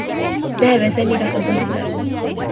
ذهب سامي لحضور الدّرس.